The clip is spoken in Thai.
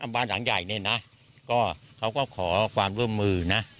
บ้านหลังใหญ่เนี่ยนะก็เขาก็ขอความร่วมมือนะ